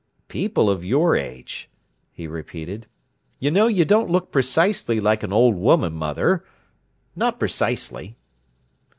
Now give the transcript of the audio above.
"People of your age!" he repeated. "You know you don't look precisely like an old woman, mother. Not precisely!"